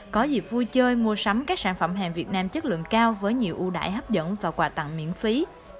có dịp vui chơi mua sắm các sản phẩm hàng việt nam chất lượng cao với nhiều ưu đại hấp dẫn và quà tặng miễn phí